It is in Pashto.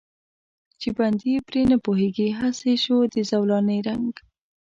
چې بندي پرې نه پوهېږي، هسې شو د زولانې رنګ.